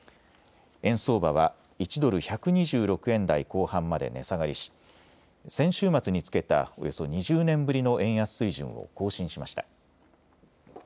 円相場は１ドル１２６円台後半まで値下がりし先週末につけたおよそ２０年ぶりの円安水準を更新しました。